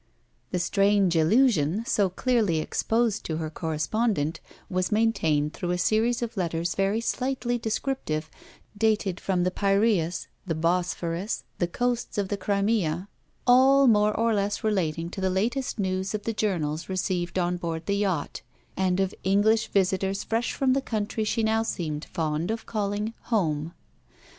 The strange illusion, so clearly exposed to her correspondent, was maintained through a series of letters very slightly descriptive, dated from the Piraeus, the Bosphorus, the coasts of the Crimea, all more or less relating to the latest news of the journals received on board the yacht, and of English visitors fresh from the country she now seemed fond of calling 'home.'